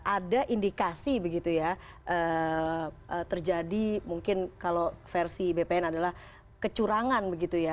ada indikasi begitu ya terjadi mungkin kalau versi bpn adalah kecurangan begitu ya